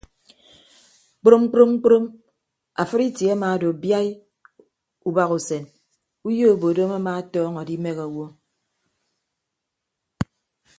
Kprom kprom kprom afịd itie amaado biaii ubahasen uyo obodom ama atọñọ adimehe owo.